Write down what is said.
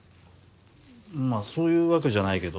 まあそういうわけじゃないけど。